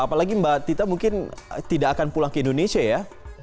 apalagi mbak tita mungkin tidak akan pulang ke indonesia ya